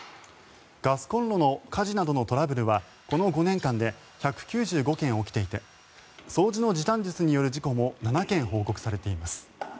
ガスコンロの火事などのトラブルはこの５年間で１９５件起きていて掃除の時短術による事故も７件報告されています。